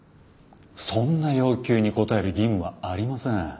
そんな要求に応える義務はありません。